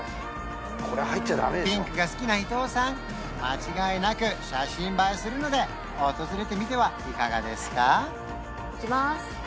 ピンクが好きな伊藤さん間違いなく写真映えするので訪れてみてはいかがですか？